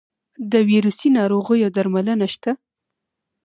د ویروسي ناروغیو درملنه شته؟